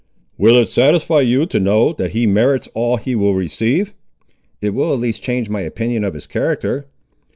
"Will it satisfy you to know, that he merits all he will receive?" "It will at least change my opinion of his character."